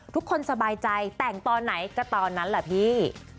ทุกคนสบายใจแต่งตอนไหนก็ตอนนั้นแหละพี่